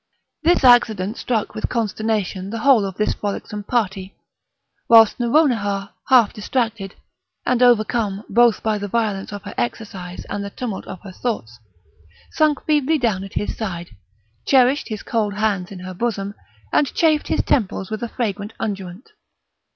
This accident struck with consternation the whole of this frolicsome party; whilst Nouronihar, half distracted, and overcome, both by the violence of her exercise and the tumult of her thoughts, sunk feebly down at his side, cherished his cold hands in her bosom, and chafed his temples with a fragrant unguent.